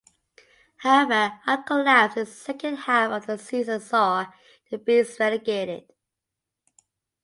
However, a collapse in the second half of the season saw the Bees relegated.